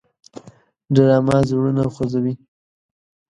ډرامه زړونه خوځوي